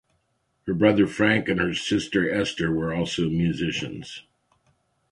Her brother Frank and her sister Esther were also musicians.